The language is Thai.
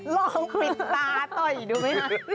ลองปิดตาต่อยดูไหมคะ